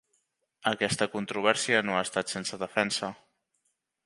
Aquesta controvèrsia no ha estat sense defensa.